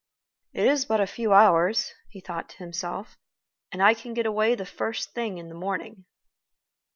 "It is but a few hours," he thought to himself, "and I can get away the first thing in the morning."